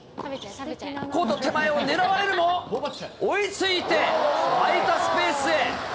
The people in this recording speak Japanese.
コート手前を狙われるも、追いついて、空いたスペースへ。